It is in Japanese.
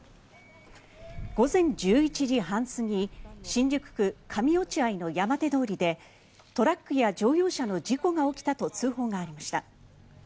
午前１１時半過ぎ新宿区上落合の山手通りでトラックや乗用車の事故が起きたと通報がありました。